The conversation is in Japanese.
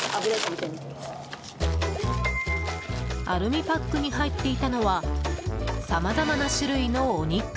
アルミパックに入っていたのはさまざま種類のお肉。